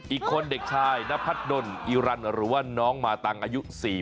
อีกคนเด็กชายนพัฒนดลอิรันหรือว่าน้องมาตังอายุ๔๐